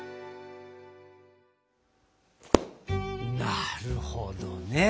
なるほどね！